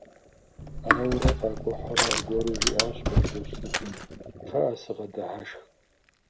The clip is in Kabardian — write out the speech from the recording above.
Ауэрэ къакӀухьурэ аргуэру жиӀащ Бажэжь цӀыкӀум: «КхъыӀэ, сыгъэдыхьэшх».